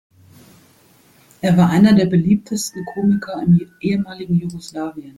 Er war einer der beliebtesten Komiker im ehemaligen Jugoslawien.